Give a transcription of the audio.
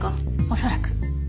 恐らく。